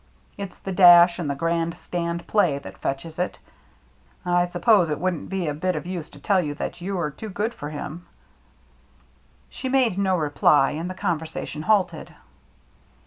It's the dash and the grand stand play that fetches it. I suppose it wouldn't be a bit of use to tell you that you are too good for him." She made no reply, and the conversation halted.